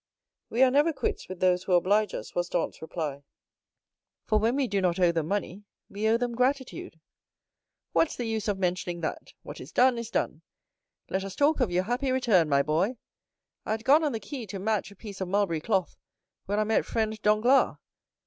"We are never quits with those who oblige us," was Dantès' reply; "for when we do not owe them money, we owe them gratitude." "What's the use of mentioning that? What is done is done. Let us talk of your happy return, my boy. I had gone on the quay to match a piece of mulberry cloth, when I met friend Danglars.